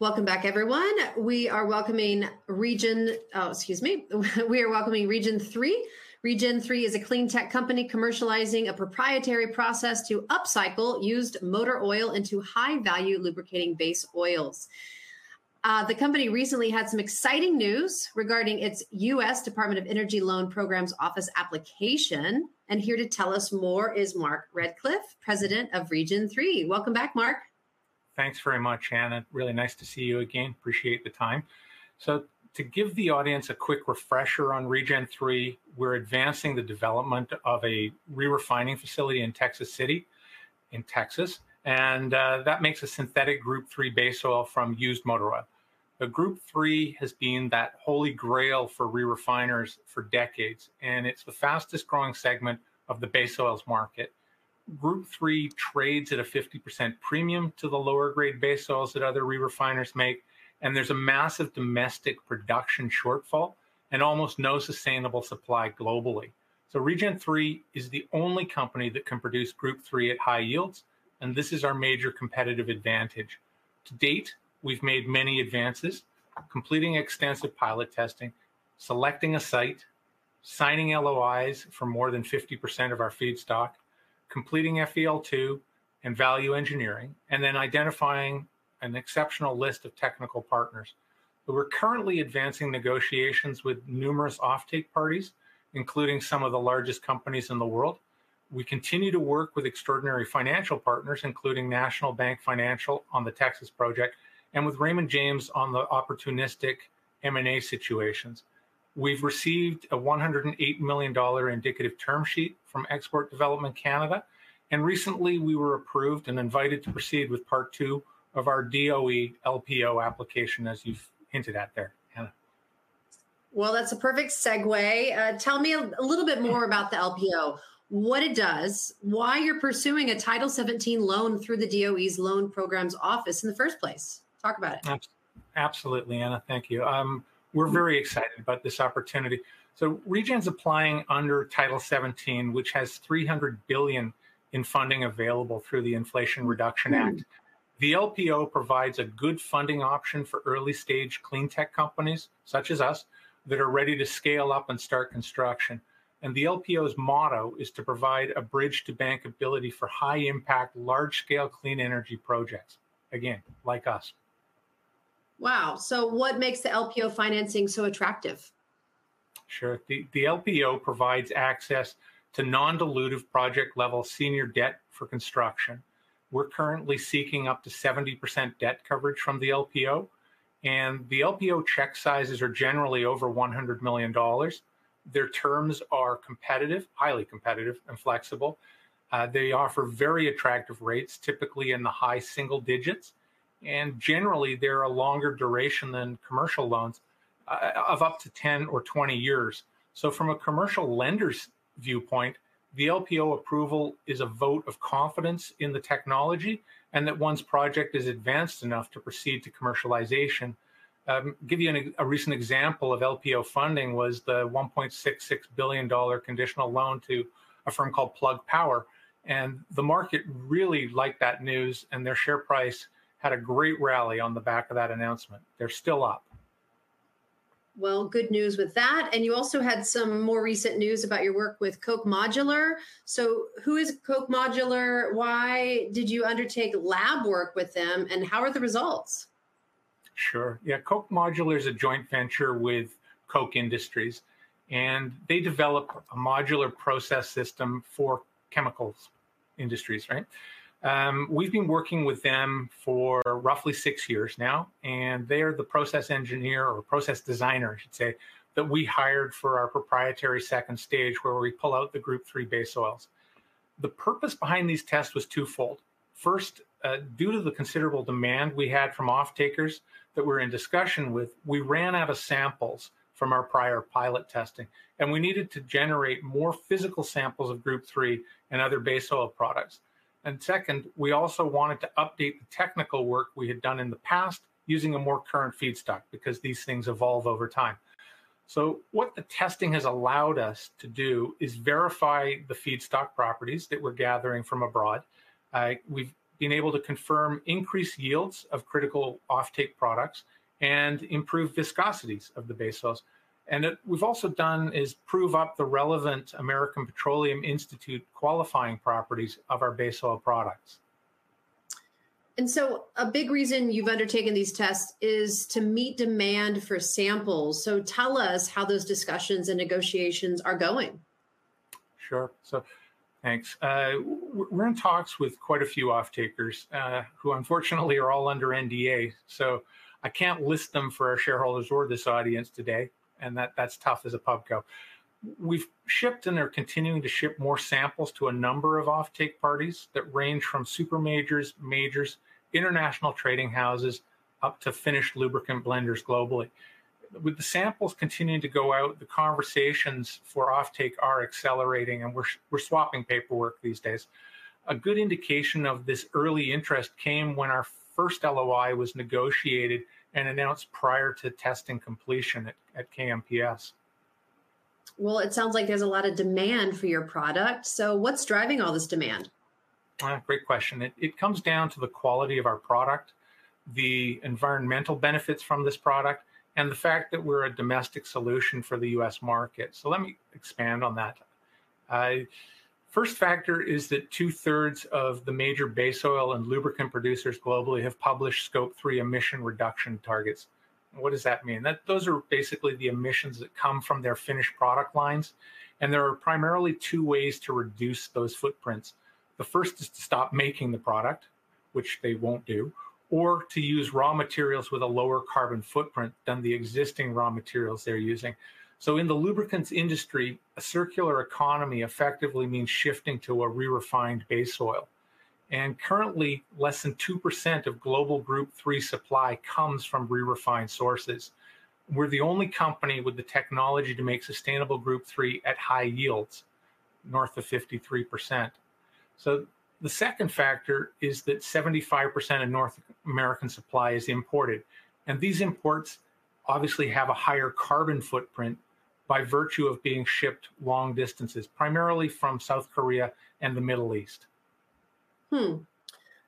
Welcome back, everyone. We are welcoming ReGen III, oh, excuse me, we are welcoming ReGen III. ReGen III is a clean tech company commercializing a proprietary process to upcycle used motor oil into high-value lubricating base oils. The company recently had some exciting news regarding its U.S. Department of Energy Loan Programs Office application, and here to tell us more is Mark Redcliffe, president of ReGen III. Welcome back, Mark. Thanks very much, Anna. Really nice to see you again. Appreciate the time. So to give the audience a quick refresher on ReGen III, we're advancing the development of a re-refining facility in Texas City, in Texas, and that makes a synthetic Group III base oil from used motor oil. The Group III has been that holy grail for re-refiners for decades, and it's the fastest-growing segment of the base oils market. Group III trades at a 50% premium to the lower grade base oils that other re-refiners make, and there's a massive domestic production shortfall and almost no sustainable supply globally. So ReGen III is the only company that can produce Group III at high yields, and this is our major competitive advantage. To date, we've made many advances: completing extensive pilot testing, selecting a site, signing LOIs for more than 50% of our feedstock, completing FEL2 and value engineering, and then identifying an exceptional list of technical partners. But we're currently advancing negotiations with numerous offtake parties, including some of the largest companies in the world. We continue to work with extraordinary financial partners, including National Bank Financial on the Texas project, and with Raymond James on the opportunistic M&A situations. We've received a $108 million indicative term sheet from Export Development Canada, and recently we were approved and invited to proceed with Part II of our DOE LPO application, as you've hinted at there, Anna. Well, that's a perfect segue. Tell me a little bit more about the LPO, what it does, why you're pursuing a Title 17 loan through the DOE's Loan Programs Office in the first place. Talk about it. Absolutely, Anna, thank you. We're very excited about this opportunity. ReGen's applying under Title 17, which has $300 billion in funding available through the Inflation Reduction Act. The LPO provides a good funding option for early-stage clean tech companies, such as us, that are ready to scale up and start construction. The LPO's motto is to provide a bridge to bankability for high-impact, large-scale clean energy projects. Again, like us. Wow! So what makes the LPO financing so attractive? Sure. The LPO provides access to non-dilutive project-level senior debt for construction. We're currently seeking up to 70% debt coverage from the LPO, and the LPO check sizes are generally over $100 million. Their terms are competitive, highly competitive, and flexible. They offer very attractive rates, typically in the high single digits, and generally, they're a longer duration than commercial loans, of up to 10 or 20 years. So from a commercial lender's viewpoint, the LPO approval is a vote of confidence in the technology, and that one's project is advanced enough to proceed to commercialization. Give you a recent example of LPO funding was the $1.66 billion conditional loan to a firm called Plug Power, and the market really liked that news, and their share price had a great rally on the back of that announcement. They're still up. Well, good news with that, and you also had some more recent news about your work with Koch Modular. So who is Koch Modular? Why did you undertake lab work with them, and how are the results? Sure. Yeah, Koch Modular is a joint venture with Koch Industries, and they develop a modular process system for chemicals industries, right? We've been working with them for roughly six years now, and they are the process engineer, or process designer, I should say, that we hired for our proprietary second stage, where we pull out the Group III base oils. The purpose behind these tests was twofold. First, due to the considerable demand we had from offtakers that we're in discussion with, we ran out of samples from our prior pilot testing, and we needed to generate more physical samples of Group III and other base oil products. And second, we also wanted to update the technical work we had done in the past using a more current feedstock, because these things evolve over time. So what the testing has allowed us to do is verify the feedstock properties that we're gathering from abroad. We've been able to confirm increased yields of critical offtake products and improve viscosities of the base oils. And what we've also done is prove up the relevant American Petroleum Institute qualifying properties of our base oil products. A big reason you've undertaken these tests is to meet demand for samples. Tell us how those discussions and negotiations are going. Sure. So, thanks. We're in talks with quite a few offtakers, who, unfortunately, are all under NDA, so I can't list them for our shareholders or this audience today, and that's tough as a pubco. We've shipped, and they're continuing to ship more samples to a number of offtake parties that range from supermajors, majors, international trading houses, up to finished lubricant blenders globally. With the samples continuing to go out, the conversations for offtake are accelerating, and we're swapping paperwork these days. A good indication of this early interest came when our first LOI was negotiated and announced prior to testing completion at KMPS. ...Well, it sounds like there's a lot of demand for your product, so what's driving all this demand? Great question. It comes down to the quality of our product, the environmental benefits from this product, and the fact that we're a domestic solution for the U.S. market. So let me expand on that. First factor is that two-thirds of the major base oil and lubricant producers globally have published Scope 3 emission reduction targets. And what does that mean? Those are basically the emissions that come from their finished product lines, and there are primarily two ways to reduce those footprints. The first is to stop making the product, which they won't do, or to use raw materials with a lower carbon footprint than the existing raw materials they're using. So in the lubricants industry, a circular economy effectively means shifting to a re-refined base oil, and currently, less than 2% of global Group III supply comes from re-refined sources. We're the only company with the technology to make sustainable Group III at high yields, north of 53%. The second factor is that 75% of North American supply is imported, and these imports obviously have a higher carbon footprint by virtue of being shipped long distances, primarily from South Korea and the Middle East.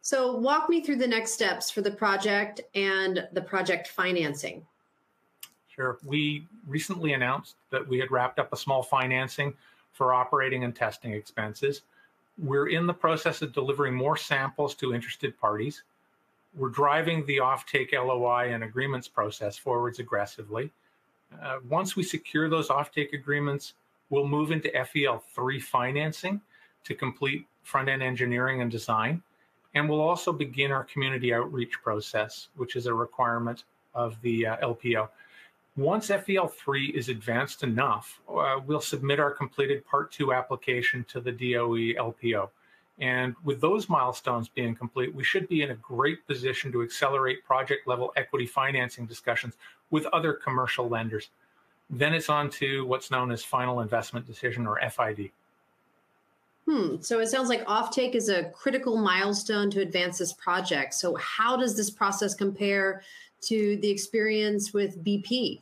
So walk me through the next steps for the project and the project financing? Sure. We recently announced that we had wrapped up a small financing for operating and testing expenses. We're in the process of delivering more samples to interested parties. We're driving the offtake LOI and agreements process forward aggressively. Once we secure those offtake agreements, we'll move into FEL3 financing to complete front-end engineering and design, and we'll also begin our community outreach process, which is a requirement of the LPO. Once FEL3 is advanced enough, we'll submit our completed Part II application to the DOE LPO. And with those milestones being complete, we should be in a great position to accelerate project-level equity financing discussions with other commercial lenders. Then it's on to what's known as final investment decision, or FID. It sounds like offtake is a critical milestone to advance this project. How does this process compare to the experience with BP?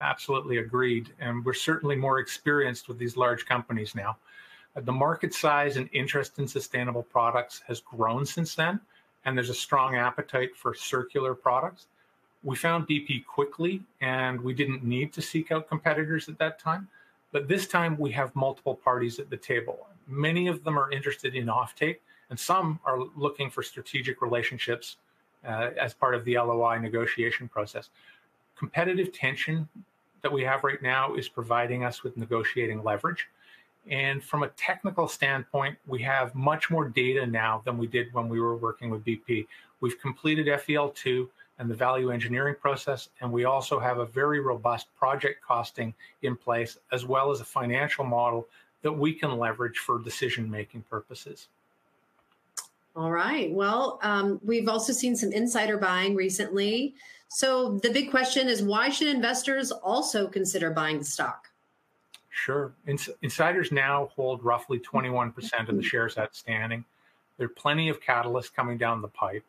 Absolutely agreed, and we're certainly more experienced with these large companies now. The market size and interest in sustainable products has grown since then, and there's a strong appetite for circular products. We found BP quickly, and we didn't need to seek out competitors at that time, but this time we have multiple parties at the table. Many of them are interested in offtake, and some are looking for strategic relationships as part of the LOI negotiation process. Competitive tension that we have right now is providing us with negotiating leverage, and from a technical standpoint, we have much more data now than we did when we were working with BP. We've completed FEL2 and the value engineering process, and we also have a very robust project costing in place, as well as a financial model that we can leverage for decision-making purposes. All right. Well, we've also seen some insider buying recently. So the big question is, why should investors also consider buying the stock? Sure. Insiders now hold roughly 21% of the shares outstanding. There are plenty of catalysts coming down the pipe.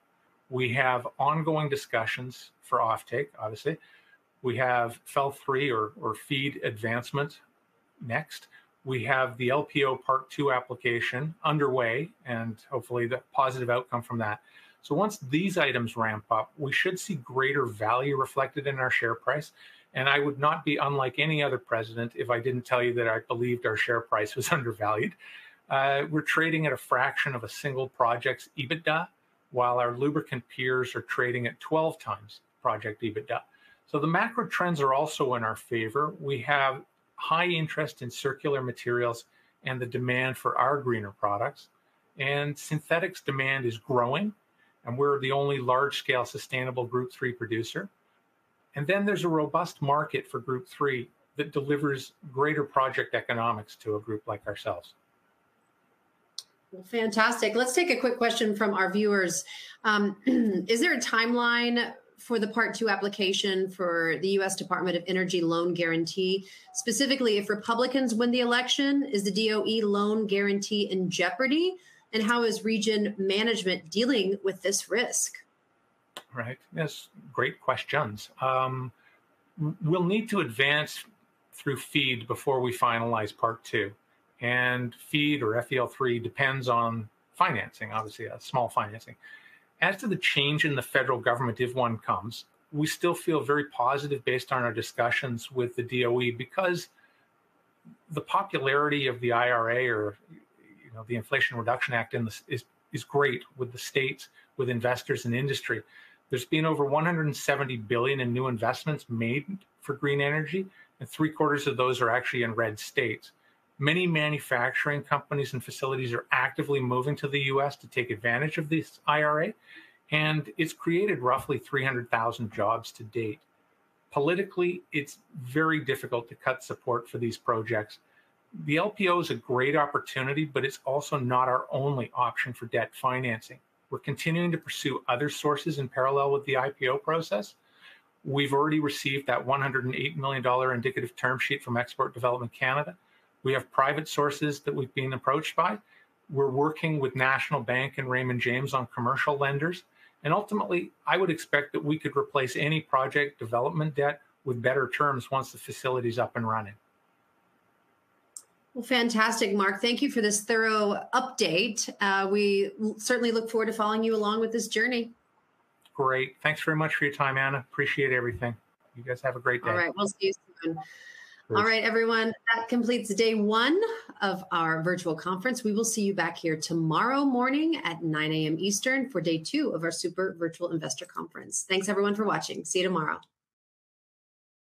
We have ongoing discussions for offtake, obviously. We have FEL3 or FEED advancement next. We have the LPO Part II application underway, and hopefully the positive outcome from that. So once these items ramp up, we should see greater value reflected in our share price, and I would not be unlike any other president if I didn't tell you that I believed our share price was undervalued. We're trading at a fraction of a single project's EBITDA, while our lubricant peers are trading at 12x project EBITDA. So the macro trends are also in our favor. We have high interest in circular materials and the demand for our greener products, and synthetics demand is growing, and we're the only large-scale sustainable Group III producer. There's a robust market for Group III that delivers greater project economics to a group like ourselves. Well, fantastic. Let's take a quick question from our viewers. Is there a timeline for the Part II application for the U.S. Department of Energy loan guarantee? Specifically, if Republicans win the election, is the DOE loan guarantee in jeopardy? And how is ReGen management dealing with this risk? Right. Yes, great questions. We'll need to advance through FEED before we finalize Part II, and FEED or FEL3 depends on financing, obviously, a small financing. As to the change in the federal government, if one comes, we still feel very positive based on our discussions with the DOE, because the popularity of the IRA or, you know, the Inflation Reduction Act in this is, is great with the states, with investors, and industry. There's been over $170 billion in new investments made for green energy, and three-quarters of those are actually in red states. Many manufacturing companies and facilities are actively moving to the U.S. to take advantage of this IRA, and it's created roughly 300,000 jobs to date. Politically, it's very difficult to cut support for these projects. The LPO is a great opportunity, but it's also not our only option for debt financing. We're continuing to pursue other sources in parallel with the LPO process. We've already received that $108 million indicative term sheet from Export Development Canada. We have private sources that we've been approached by. We're working with National Bank and Raymond James on commercial lenders, and ultimately, I would expect that we could replace any project development debt with better terms once the facility's up and running. Well, fantastic, Mark. Thank you for this thorough update. We certainly look forward to following you along with this journey. Great. Thanks very much for your time, Anna. Appreciate everything. You guys have a great day. All right, we'll see you soon. Thanks. All right, everyone, that completes day one of our virtual conference. We will see you back here tomorrow morning at 9:00 A.M. Eastern for day two of our Sequire Virtual Investor Conference. Thanks, everyone, for watching. See you tomorrow!